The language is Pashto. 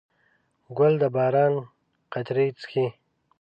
ګل د باران قطرې څښي.